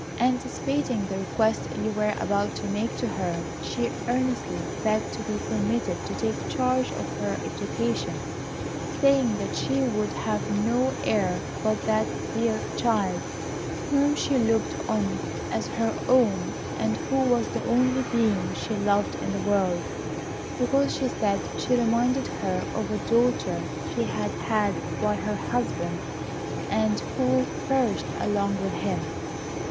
Anticipating the request you were about to make to her, she earnestly begged to be permitted to take charge of her education, saying that she would have no heir but that dear child, whom she looked on as her own, and who was the only being she loved in the world; because she said she reminded her of a daughter she had had by her husband, and who perished along with him.